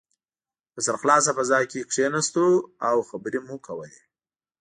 په سرخلاصه فضا کې کښېناستو او خبرې مو کولې.